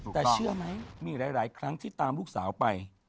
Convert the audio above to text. แต่เชื่อไหมมีหลายครั้งที่ตามลูกสาวไป